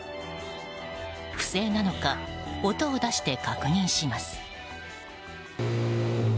不正なのか音を出して確認します。